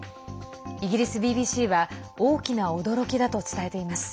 イギリスＢＢＣは大きな驚きだと伝えています。